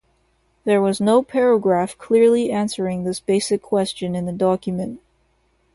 There was no paragraph clearly answering this basic question in the document.